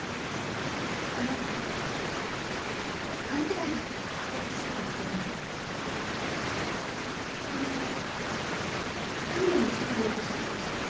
あのう勘違いだったら恥ずかしいんですけど昨日看病に来てくれようとしてましたか？